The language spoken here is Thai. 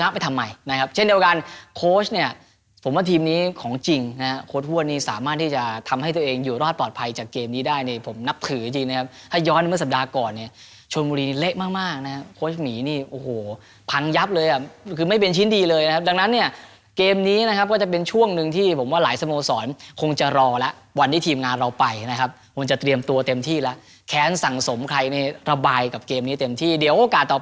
เพราะฉะนั้นเมื่อสัปดาห์ก่อนเนี่ยชวนบุรีเนี่ยเละมากนะครับโค้ชหมีนี่โอ้โหพังยับเลยอะคือไม่เป็นชิ้นดีเลยนะครับดังนั้นเนี่ยเกมนี้นะครับก็จะเป็นช่วงนึงที่ผมว่าหลายสโมสรคงจะรอแล้ววันที่ทีมงานเราไปนะครับมันจะเตรียมตัวเต็มที่แล้วแค้นสั่งสมใครเนี่ยระบายกับเกมนี้เต็มที่เดี๋ยวโอกาส